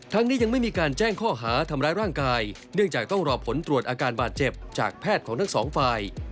นี้ยังไม่มีการแจ้งข้อหาทำร้ายร่างกายเนื่องจากต้องรอผลตรวจอาการบาดเจ็บจากแพทย์ของทั้งสองฝ่าย